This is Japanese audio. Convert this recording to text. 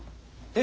え？